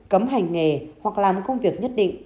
cấm hành nghề hoặc làm công việc nhất định